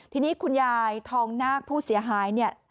ทีนี้คุณยายทองนาคผู้เสียหายเนี่ย